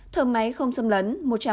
thở máy không xâm lấn một trăm hai mươi bảy